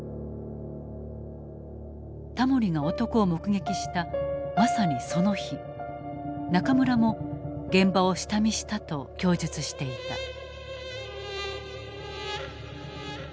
田盛が男を目撃したまさにその日中村も現場を下見したと供述していた。